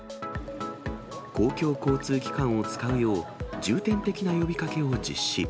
公共交通機関を使うよう、重点的な呼びかけを実施。